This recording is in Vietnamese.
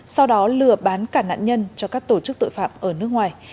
sau đó lừa bán cả nạn nhân cho các tổ chức tội phạm ở nước ngoài